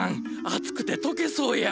暑くて溶けそうや。